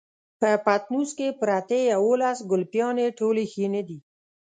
په پټنوس کې پرتې يوولس ګلپيانې ټولې ښې نه دي.